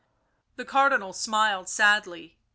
The Cardinal smiled sadly.